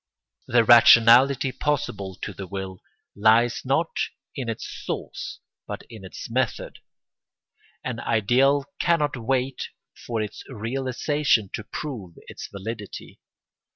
The rationality possible to the will lies not in its source but in its method. An ideal cannot wait for its realisation to prove its validity.